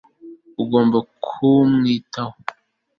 ugomba kumwitaho